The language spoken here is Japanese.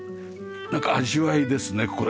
なんか味わいですねこれ。